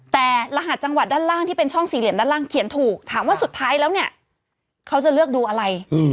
แต่รหัสจังหวัดด้านล่างที่เป็นช่องสี่เหลี่ยมด้านล่างเขียนถูกถามว่าสุดท้ายแล้วเนี่ยเขาจะเลือกดูอะไร